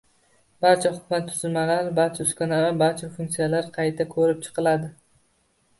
Barcha hukumat tuzilmalari, barcha uskunalar, barcha funktsiyalar qayta ko'rib chiqildi